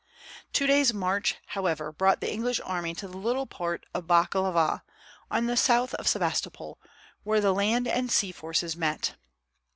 Two days' march, however, brought the English army to the little port of Balaklava, on the south of Sebastopol, where the land and sea forces met.